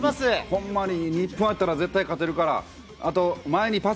ほんまに日本だったら絶対勝てるから。